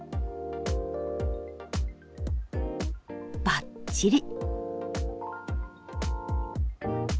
ばっちり。